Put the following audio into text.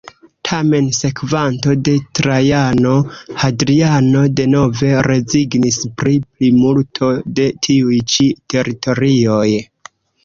Tamen sekvanto de Trajano, Hadriano, denove rezignis pri plimulto de tiuj ĉi teritorioj.